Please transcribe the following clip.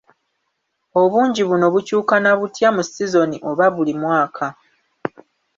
Obungi buno bukyukana butya mu sizoni oba buli mwaka?